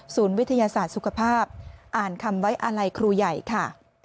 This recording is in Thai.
วิทยาศาสตร์สุขภาพอ่านคำไว้อาลัยครูใหญ่ค่ะ